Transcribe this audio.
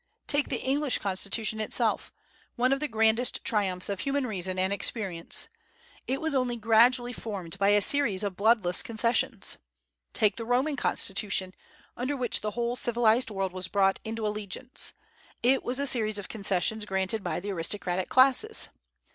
Take the English constitution itself, one of the grandest triumphs of human reason and experience, it was only gradually formed by a series of bloodless concessions. Take the Roman constitution, under which the whole civilized world was brought into allegiance, it was a series of concessions granted by the aristocratic classes.